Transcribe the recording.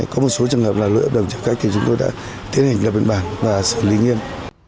có một số trường hợp là lỗi ấp đầm trả khách thì chúng tôi đã tiến hành lập biện bản và xử lý nghiêm